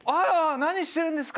何してるんですか！